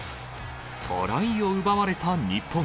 トライを奪われた日本。